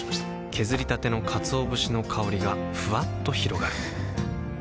削りたてのかつお節の香りがふわっと広がるはぁ。